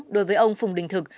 đối với ông phùng đình thực